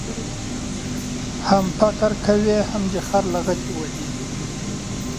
هم فقر کوې ، هم دي خر لغتي غورځوي.